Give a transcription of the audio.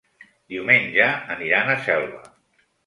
Diumenge aniran a Selva.